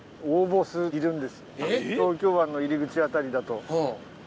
東京湾の入り口辺りだと。